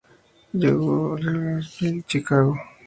Cellular Field en Chicago.